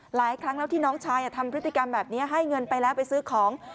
หลายครั้งแล้วที่น้องชายทำพฤติกรรมแบบนี้ให้เงินไปแล้วไปซื้อของ